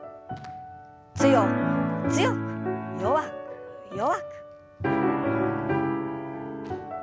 強く強く弱く弱く。